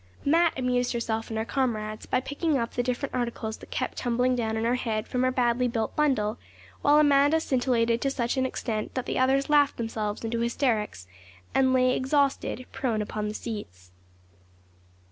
Mat amused herself and her comrades by picking up the different articles that kept tumbling down on her head from her badly built bundle; while Amanda scintillated to such an extent that the others laughed themselves into hysterics, and lay exhausted, prone upon the seats.